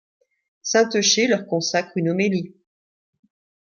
Saint Eucher leur consacre une homélie.